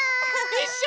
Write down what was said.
いっしょ！